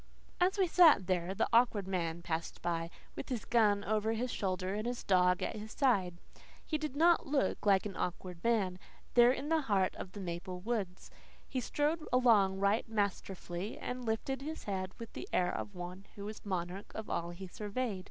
As we sat there the Awkward Man passed by, with his gun over his shoulder and his dog at his side. He did not look like an awkward man, there in the heart of the maple woods. He strode along right masterfully and lifted his head with the air of one who was monarch of all he surveyed.